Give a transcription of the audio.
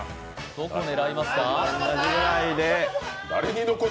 どこを狙いますか？